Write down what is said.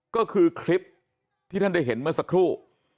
ก็คือคลิปที่ท่านได้เห็นเมื่อสักครู่